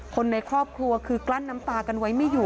คนในครอบครัวคือกลั้นน้ำตากันไว้ไม่อยู่